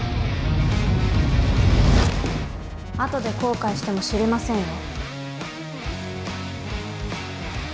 あとで後悔しても知りませんよ